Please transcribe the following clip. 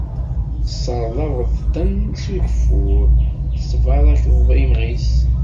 Tesserḍabeḍ-ten s ugeffur, tettbarakeḍ imɣi-s.